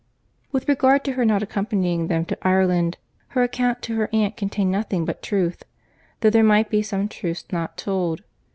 With regard to her not accompanying them to Ireland, her account to her aunt contained nothing but truth, though there might be some truths not told.